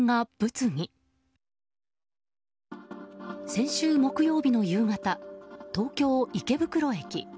先週木曜日の夕方東京・池袋駅。